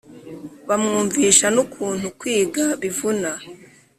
bamwumvisha n’ukuntu kwiga bivuna.